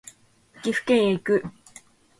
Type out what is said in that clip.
岐阜県へ行く